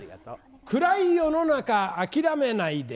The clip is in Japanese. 暗い世の中諦めないで。